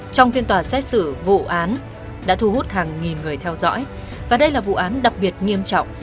trong phiên tòa xét xử vụ án đã thu hút hàng nghìn người theo dõi và đây là vụ án đặc biệt nghiêm trọng